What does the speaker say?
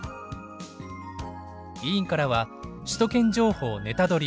委員からは首都圏情報ネタドリ！